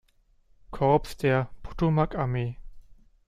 Korps der Potomac-Armee.